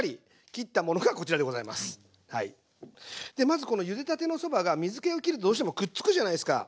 まずこのゆでたてのそばが水けをきるとどうしてもくっつくじゃないですか。